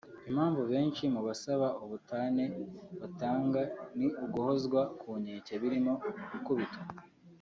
Impamvu benshi mu basaba ubutane batanga ni uguhozwa ku nkeke birimo gukubitwa